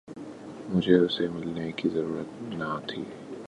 مجھے اسے ملنے کی ضرورت نہ تھی